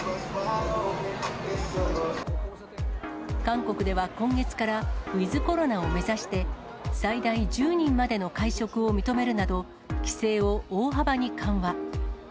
韓国では今月からウィズコロナを目指して、最大１０人までの会食を認めるなど、規制を大幅に緩和。